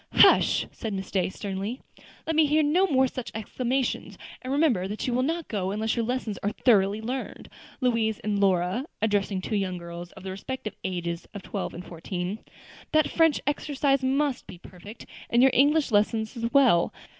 "Hush!" said Miss Day sternly; "let me hear no more such exclamations; and remember that you will not go unless your lessons are thoroughly learned. Louise and Lora," addressing two young girls of the respective ages of twelve and fourteen, "that French exercise must be perfect, and your English lessons as well.